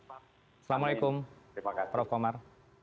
assalamu'alaikum prof komar